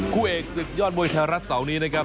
คู่เอกศึกยอดมวยไทยรัฐเสาร์นี้นะครับ